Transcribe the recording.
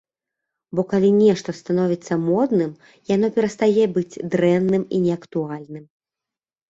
Бо калі нешта становіцца модным, яно перастае быць дрэнным і неактуальным.